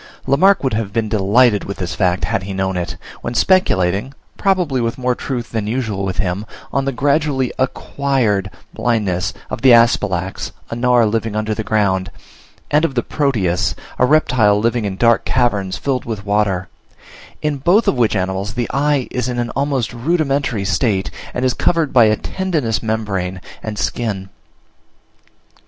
Lamarck would have been delighted with this fact, had he known it, when speculating (probably with more truth than usual with him) on the gradually acquired blindness of the Asphalax, a Gnawer living under ground, and of the Proteus, a reptile living in dark caverns filled with water; in both of which animals the eye is in an almost rudimentary state, and is covered by a tendinous membrane and skin.